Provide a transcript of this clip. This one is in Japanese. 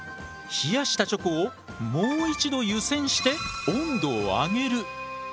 ３冷やしたチョコをもう一度湯せんして温度を上げる。